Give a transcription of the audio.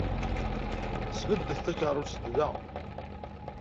Sbeddet takeṛṛust da!